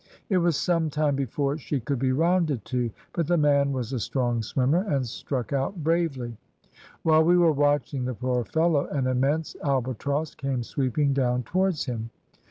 It was some time before she could be rounded to; but the man was a strong swimmer, and struck out bravely. While we were watching the poor fellow an immense albatross came sweeping down towards him.